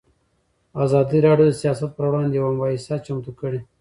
ازادي راډیو د سیاست پر وړاندې یوه مباحثه چمتو کړې.